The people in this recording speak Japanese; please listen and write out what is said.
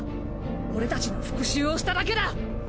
俺たちの復讐をしただけだ！